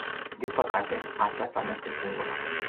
Din păcate, aceasta nu este singura.